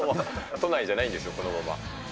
都内じゃないんですよ、このまま。